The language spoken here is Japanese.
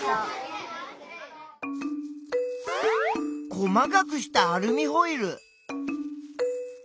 細かくしたアルミホイル。